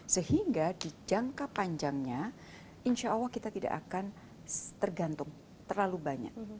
sehingga di jangka panjangnya insya allah kita tidak akan tergantung terlalu banyak